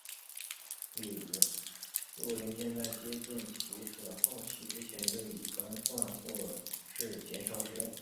例如若零件在接近其损耗期之前就已更换或是减少使用。